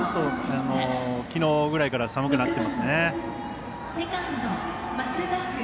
昨日くらいから寒くなっていますね。